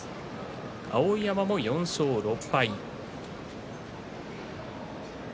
碧山も４勝６敗。